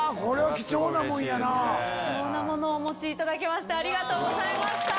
貴重なものをお持ちいただきありがとうございました。